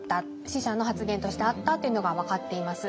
使者の発言としてあったっていうのが分かっています。